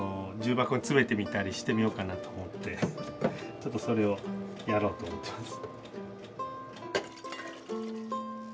ちょっとそれをやろうと思ってます。